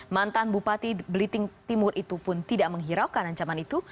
mantan bupati belitung timur itu pun tidak menghiraukan ancaman itu